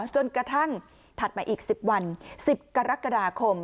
กระทั่งถัดมาอีก๑๐วัน๑๐กรกฎาคม